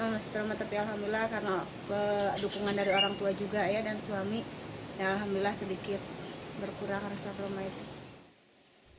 masih trauma tapi alhamdulillah karena dukungan dari orang tua juga ya dan suami alhamdulillah sedikit berkurang rasa trauma itu